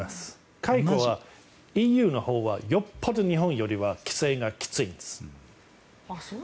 解雇はＥＵのほうはよっぽど日本より規制がきついです。